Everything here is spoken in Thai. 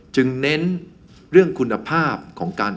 เน้นเรื่องคุณภาพของการ